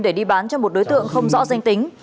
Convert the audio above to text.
để đi bán cho một đối tượng không rõ danh tính